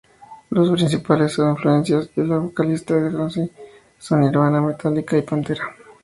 Las principales influencias de la vocalista Lacey Mosley son Nirvana, Metallica y Pantera.